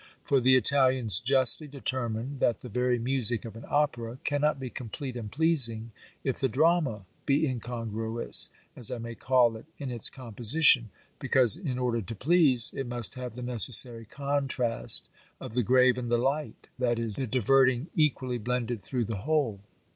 For the Italians justly determine, that the very music of an opera cannot be complete and pleasing, if the drama be incongruous, as I may call it, in its composition, because, in order to please, it must have the necessary contrast of the grave and the light, that is, the diverting equally blended through the whole.